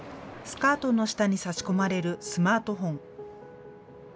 スカートの下に差し込まれるスマートフォン。